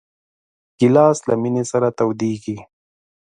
ګیلاس له مېنې سره تودېږي.